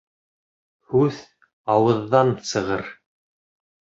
Һүҙ ауыҙҙан сығыр.